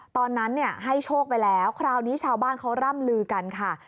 ตอนนั้นให้โชคไปแล้วคราวนี้ชาวบ้านเขาร่ำลือกันค่ะ